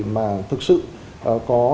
mà thực sự có